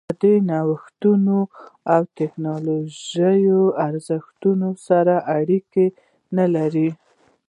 دا له نوښتونو او ټکنالوژۍ ارزښتونو سره اړیکه نه لرله